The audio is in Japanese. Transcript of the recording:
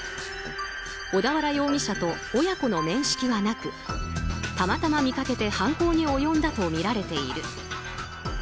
小田原容疑者と親子の面識はなくたまたま見かけて犯行に及んだとみられている。